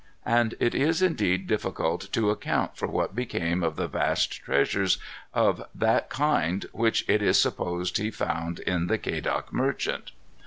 And it is indeed difficult to account for what became of the vast treasures of that kind which it is supposed he found in the Quedagh Merchant.